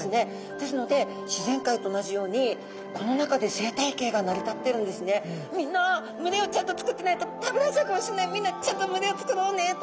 ですので自然界と同じようにみんな群れをちゃんとつくってないと食べられちゃうかもしれないみんなちゃんと群れをつくろうねと。